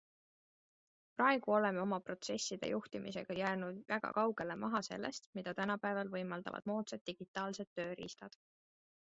Praegu oleme oma protsesside juhtimisega jäänud väga kaugele maha sellest, mida tänapäeval võimaldavad moodsad digitaalsed tööriistad.